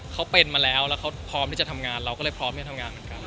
เขาเป็นมาแล้วแล้วเขาพร้อมที่จะทำงานเราก็เลยพร้อมที่จะทำงานเหมือนกัน